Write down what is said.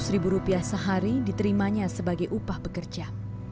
seratus ribu rupiah sehari diterimanya sebagai upah bekerja